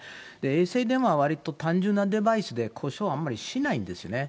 衛星電話はわりと単純なデバイスで、故障あんまりしないんですよね。